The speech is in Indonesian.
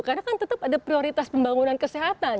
karena kan tetap ada prioritas pembangunan kesehatan